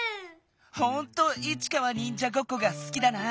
ほんとイチカはにんじゃごっこがすきだな。